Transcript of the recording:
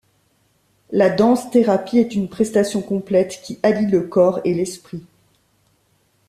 La danse thérapie est une prestation complète qui allie le corps et l'esprit.